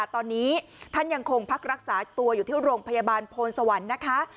ตอนนี้ท่านยังคงพักรักษาตัวอยู่ที่โรงพยาบาลโพนสวรรค์นะคะ